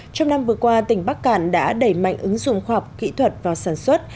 trong năm vừa qua tỉnh bắc cản đã đẩy mạnh ứng dụng khoa học kỹ thuật và sản xuất